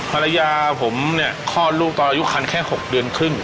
ภรรยาผมเนี่ยคลอดลูกตอนอายุคันแค่๖เดือนครึ่ง